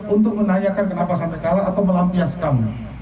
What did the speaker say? untuk menanyakan kenapa sampai kalah atau melampiaskan